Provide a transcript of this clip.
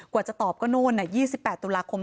กว่าจะตอบก็โน่น๒๘ตุลาคมเจอ